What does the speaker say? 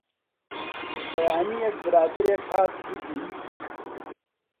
بەیانییەک برادەرێک هات، گوتی: